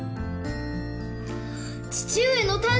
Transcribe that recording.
父上の誕生